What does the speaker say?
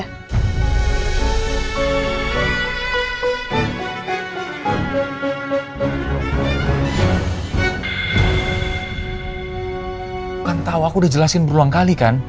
kamu kan tau aku udah jelasin berulang kali kan